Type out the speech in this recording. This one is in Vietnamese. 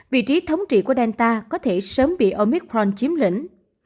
vị trí thống trị của delta có thể sớm bị ôngicron chiếm lĩnh